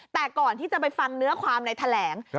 แต่ก่อนที่จะไปฟังเนื้อความในแถลง